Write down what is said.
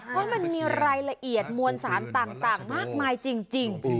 เพราะมันมีรายละเอียดมวลสารต่างมากมายจริง